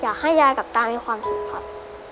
อยากให้ยายกับตามีความสุขครับ